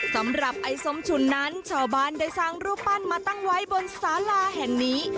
สำหรับไอ้ส้มฉุนนั้นชาวบ้านได้สร้างรูปปั้นมาตั้งไว้บนสาราแห่งนี้